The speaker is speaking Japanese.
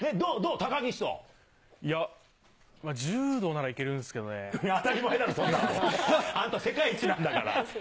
高いや、柔道ならいけるんです当たり前だろ、あんた世界一なんだから。